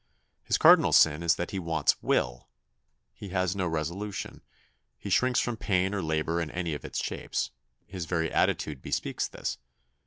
His cardinal sin is that he wants will. He has no resolution. He shrinks from pain or labour in any of its shapes. His very attitude bespeaks this.